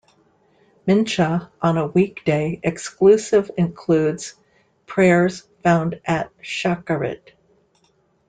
Mincha on a weekday exclusive includes prayers found at Shacharit.